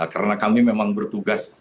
karena kami memang bertugas